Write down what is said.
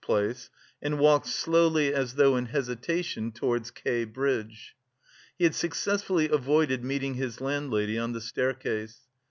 Place and walked slowly, as though in hesitation, towards K. bridge. He had successfully avoided meeting his landlady on the staircase.